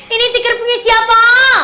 ini tiket punya siapa